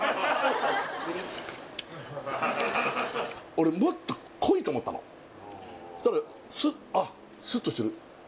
俺もっと濃いと思ったのそしたらあっスッとしてる